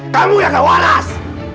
kamu yang gak waras